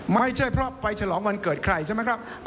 ไม่ใช่เพราะไปฉลองวันเกิดใครใช่ไหมครับ